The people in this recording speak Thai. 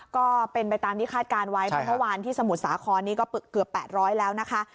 ก็เป็นไปตามที่คาดการณ์ไว้เพราะเมื่อวานที่สมุทรสาครนี้ก็เกือบ๘๐๐แล้วนะคะ